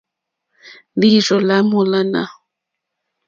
Lǐīrzɔ́ lá mòlânà.